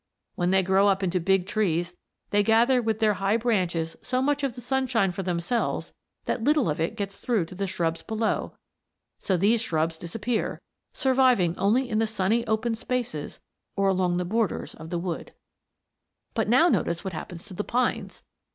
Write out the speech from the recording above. When they grow into big trees they gather with their high branches so much of the sunshine for themselves that little of it gets through to the shrubs below, so these shrubs disappear, surviving only in the sunny open spaces or along the borders of the wood. But now notice what happens to the pines.